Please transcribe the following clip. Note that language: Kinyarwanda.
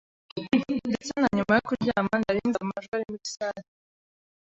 Ndetse na nyuma yo kuryama, nari nzi amajwi ari muri salle.